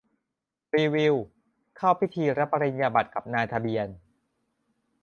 รีวิว เข้าพิธีรับปริญญาบัตรกับนายทะเบียน